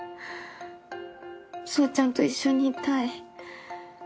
そうちゃんと一緒にいたい。